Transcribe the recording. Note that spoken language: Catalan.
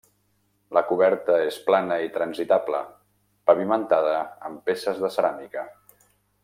La coberta és plana i transitable, pavimentada amb peces de ceràmica.